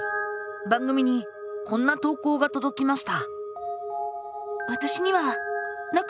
番組にこんな投稿がとどきました。